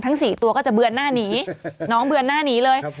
๔ตัวก็จะเบือนหน้าหนีน้องเบือนหน้าหนีเลย